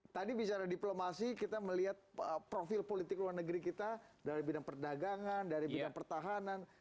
tadi bicara diplomasi kita melihat profil politik luar negeri kita dari bidang perdagangan dari bidang pertahanan